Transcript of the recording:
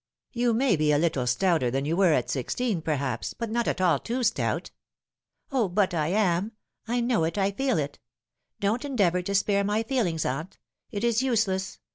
" You may be a little stouter than you were at sixteen, perhaps, but not at all too stout." " O, but I am ! I know it, I feel it. Don't endeavour to spare my feelings, aunt. It is useless.